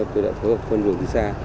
tôi đã phối hợp phân lưu từ xa